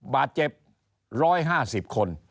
บาดเจ็บ๑๕๐คน